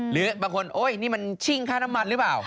หรือบางคนโอ๊ยนี่มันชิ่งค่าน้ำมันหรือเปล่า